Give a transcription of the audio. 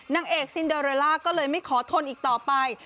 นางเอกซินเดอเรลล่าก็เลยไม่ขอทนอีกต่อไป